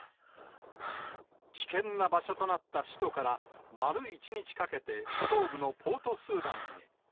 危険な場所となった首都から丸１日かけて、東部のポートスーダンへ。